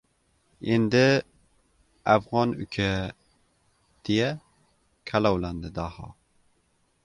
— Endi, "afg‘on" uka...— deya kalovlandi Daho.